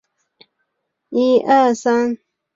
此外还有一些当地人为集中营提供食品。